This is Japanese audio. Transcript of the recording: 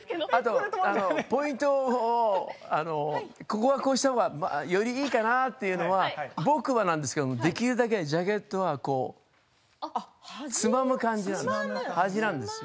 ここはこうしたほうがよりいいかなというのは僕はなんですけどできるだけジャケットはつまむ感じですね。